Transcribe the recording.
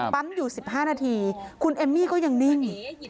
อยู่๑๕นาทีคุณเอมมี่ก็ยังนิ่ง